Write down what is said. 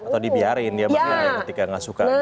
atau dibiarin dia berarti ketika gak suka